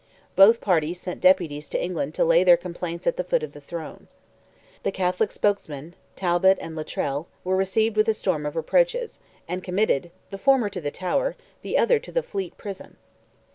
Both parties sent deputies to England to lay their complaints at the foot of the throne. The Catholic spokesmen, Talbot and Lutrell, were received with a storm of reproaches, and committed, the former to the Tower, the other to the Fleet Prison.